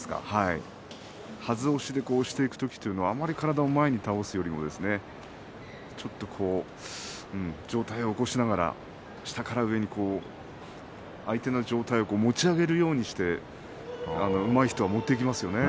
はず押しで押していく時というのは、あまり体を前に倒すよりもちょっと上体を起こしながら下から上へ相手の上体を持ち上げるようにしてうまい人は持っていきますよね。